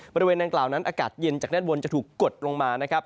บริเวณดังกล่าวนั้นอากาศเย็นจากด้านบนจะถูกกดลงมานะครับ